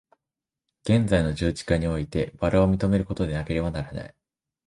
現在の十字架において薔薇を認めることでなければならない。